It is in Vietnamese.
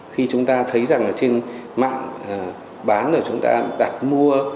khi chúng ta thấy trên mạng bán chúng ta đặt mua